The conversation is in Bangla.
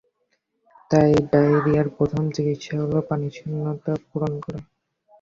তাই ডায়রিয়ার প্রথম চিকিৎসা হলো পানিশূন্যতা পূরণ করা।